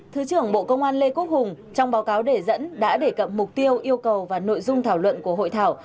thứ trưởng bộ công an lê quốc hùng trong báo cáo đề dẫn đã đề cập mục tiêu yêu cầu và nội dung thảo luận của hội thảo